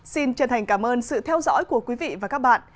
xin chân thành cảm ơn sự theo dõi của quý vị và các bạn